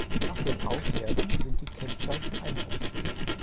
Nach dem Aushärten sind die Kennzeichen einsatzfähig.